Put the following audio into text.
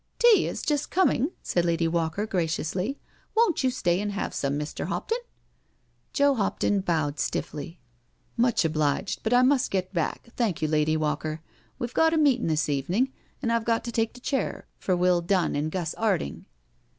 " Tea is just coming," said Lady Walker graciously. " Won*t you stay and have some, Mr. Hopton?" Joe Hopton bowed stiffly* " Much obliged, but I must get back, thank you, Lady Walker. We've got a meetin' this evenin', and I've got to take the chair for Will Dunn and Gus •Arding."